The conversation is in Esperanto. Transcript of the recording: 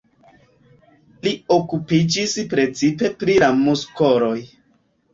Li okupiĝis precipe pri la muskoloj.